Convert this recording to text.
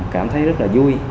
cảm thấy rất là vui